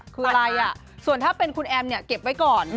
คืออะไรส่วนถ้าเป็นคุณแอมเนี่ยเก็บไว้ก่อน